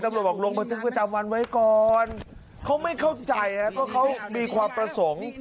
บอกลงบันทึกประจำวันไว้ก่อนเขาไม่เข้าใจเพราะเขามีความประสงค์